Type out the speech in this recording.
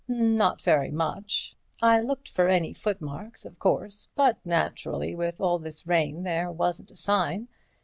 "Not very much. I looked for any footmarks of course, but naturally, with all this rain, there wasn't a sign.